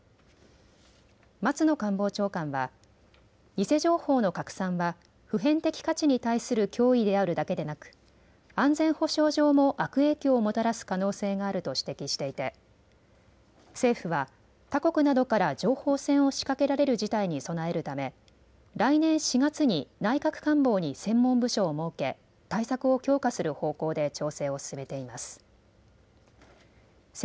松野官房長官は偽情報の拡散は普遍的価値に対する脅威であるだけでなく安全保障上も悪影響をもたらす可能性があると指摘していて政府は他国などから情報戦を仕掛けられる事態に備えるため来年４月に内閣官房に専門部署を設け対策を強化する方向で調整を進めています。